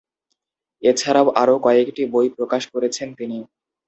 এছাড়াও আরও কয়েকটি বই প্রকাশ করেছেন তিনি।